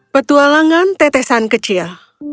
pertualangan tetesan kecil